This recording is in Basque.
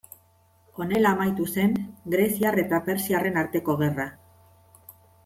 Honela amaitu zen greziar eta persiarren arteko gerra.